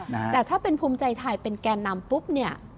แต่ถ้าเป็นภูมิใจไทยเป็นแก่นำปุ๊บเนี่ย